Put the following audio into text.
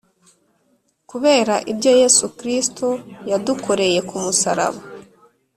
Kubera ibyo Yesu Kristo yadukoreye ku musaraba,